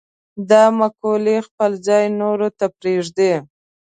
دا مقولې خپل ځای نورو ته پرېږدي.